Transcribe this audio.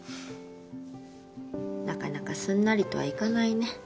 なかなかすんなりとはいかないね。